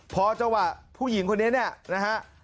พอจังหวะผู้หญิงคนนี้เนี่ยนะฮะ